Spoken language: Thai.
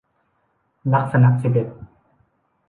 ลักษณะสิบเอ็ด